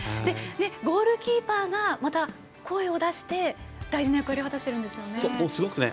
ゴールキーパーがまた声を出して大事な役割を果たしていますね。